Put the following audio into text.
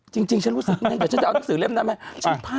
จริงฉันรู้สึกอยากจะเอาหนังสือเล่มหน้าไหมฉันพลาด